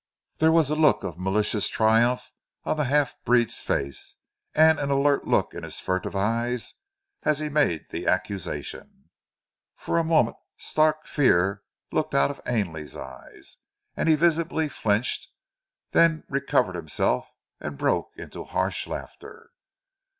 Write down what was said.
There was a look of malicious triumph on the half breed's face, and an alert look in his furtive eyes as he made the accusation. For a moment stark fear looked out of Ainley's eyes and he visibly flinched, then he recovered himself and broke into harsh laughter.